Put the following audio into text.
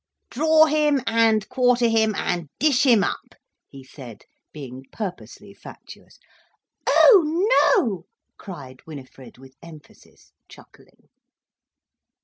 "Draw him and quarter him and dish him up," he said, being purposely fatuous. "Oh no," cried Winifred with emphasis, chuckling.